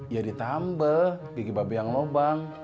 ya ditambel gigi mbak be yang lo bang